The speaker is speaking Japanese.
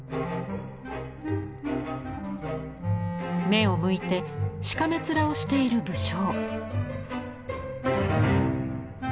目をむいてしかめ面をしている武将。